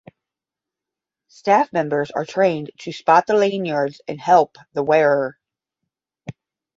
Staff members are trained to spot the lanyards and help the wearer.